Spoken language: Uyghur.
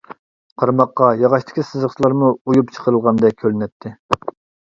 قارىماققا ياغاچتىكى سىزىقچىلارمۇ ئۇيۇپ چىقىرىلغاندەك كۆرۈنەتتى.